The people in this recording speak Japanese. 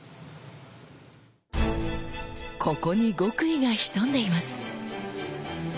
ここに極意が潜んでいます。